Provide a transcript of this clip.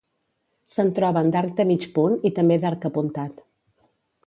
Se'n troben d'arc de mig punt i també d'arc apuntat.